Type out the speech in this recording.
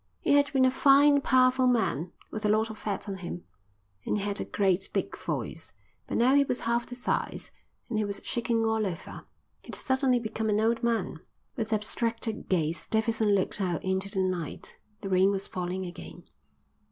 "He had been a fine, powerful man, with a lot of fat on him, and he had a great big voice, but now he was half the size, and he was shaking all over. He'd suddenly become an old man." With abstracted gaze Davidson looked out into the night. The rain was falling again.